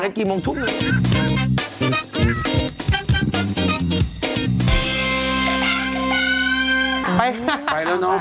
ไปไปแล้วนะ